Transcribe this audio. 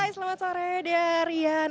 selamat sore dea rian